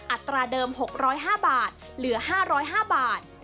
อัตราเดิม๖๐๕บาทเหลือ๕๐๕บาท